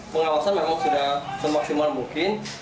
pengawasan memang sudah semaksimal mungkin